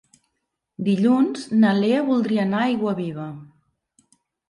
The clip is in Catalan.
Dilluns na Lea voldria anar a Aiguaviva.